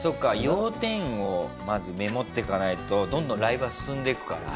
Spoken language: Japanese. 要点をまずメモっていかないとどんどんライブは進んでいくから。